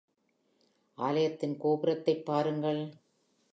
ஆலயத்தின் கோபுரத்தைப் பாருங்கள்.